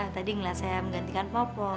tadi ngelihat saya menggantikan popok